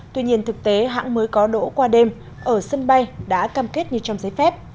tuy nhiên thực tế hãng mới có đỗ qua đêm ở sân bay đã cam kết như trong giấy phép